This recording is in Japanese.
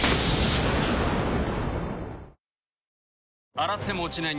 洗っても落ちない